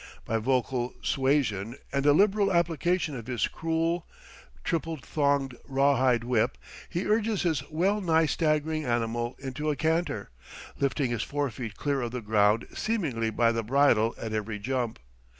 By vocal suasion and a liberal application of his cruel, triple thonged, raw hide whip, he urges his well nigh staggering animal into a canter, lifting his forefeet clear of the ground seemingly by the bridle at every jump.